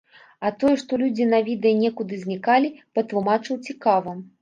А тое, што людзі на відэа некуды знікалі, патлумачыў цікава.